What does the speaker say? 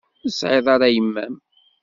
Ur tesɛiḍ ara yemma-m?